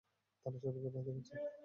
তারা সবাইকে ভয় দেখাচ্ছে।